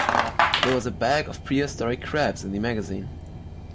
There was a bag of prehistoric crabs in the magazine.